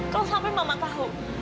kalau sampai mama tahu